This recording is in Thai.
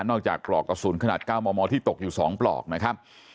จากปลอกกระสุนขนาด๙มมที่ตกอยู่๒ปลอกนะครับ